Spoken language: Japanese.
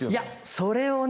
それをね